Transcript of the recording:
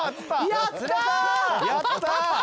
やった！